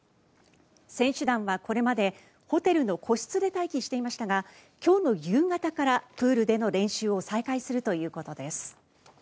選手団はこれまでホテルの個室で待機していましたが今日の夕方からプールでの練習を再開するということです。